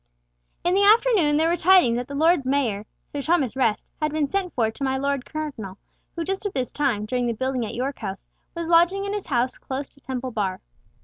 In the afternoon there were tidings that the Lord Mayor, Sir Thomas Rest had been sent for to my Lord Cardinal, who just at this time, during the building at York House, was lodging in his house close to Temple Bar.